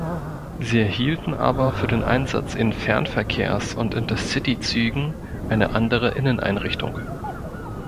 Sie erhielten aber für den Einsatz in Fernverkehrs- und Intercityzügen eine andere Inneneinrichtung.